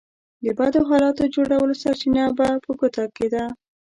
د بدو حالاتو جوړولو سرچينه به په ګوته کېده.